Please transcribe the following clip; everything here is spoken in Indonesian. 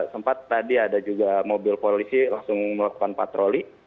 sempat tadi ada juga mobil polisi langsung melakukan patroli